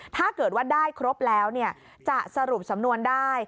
ถ้าเกิดว่าได้ครบแล้วจะสรุปสำนวนได้